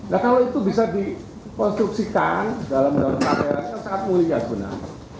nah kalau itu bisa dikonstruksikan dalam undang undang kpk sangat mulia sebenarnya